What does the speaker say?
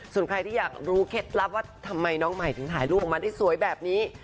ส่วนใครที่อยากรู้เคล็ดลับว่าทำไมน้องใหม่ถึงถ่ายรูปออกมาได้สวยแบบนี้